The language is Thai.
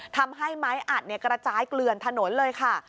ทำให้ไม้อัดกระจายเกลือนถนนเลยค่ะ